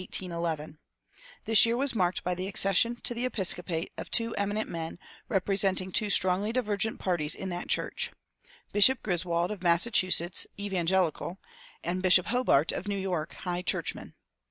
[304:1] This year was marked by the accession to the episcopate of two eminent men, representing two strongly divergent parties in that church Bishop Griswold, of Massachusetts, Evangelical, and Bishop Hobart, of New York, High churchman.